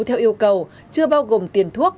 theo yêu cầu chưa bao gồm tiền thuốc